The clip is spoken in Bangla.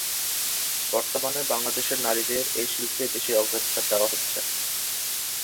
বর্তমানে বাংলাদেশের নারীদের এই শিল্পে বেশি অগ্রাধিকার দেওয়া হচ্ছে।